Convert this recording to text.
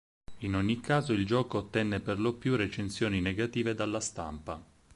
In ogni caso il gioco ottenne perlopiù recensioni negative dalla stampa.